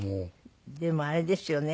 でもあれですよね。